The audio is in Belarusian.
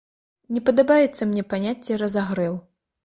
Не падабаецца мне паняцце разагрэў.